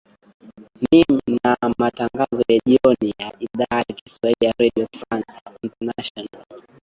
mm matangazo ya jioni ya idhaa ya kiswahili ya redio france internationale